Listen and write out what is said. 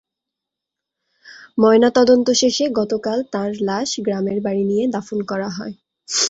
ময়নাতদন্ত শেষে গতকাল তাঁর লাশ গ্রামের বাড়ি নিয়ে দাফন করা হয়।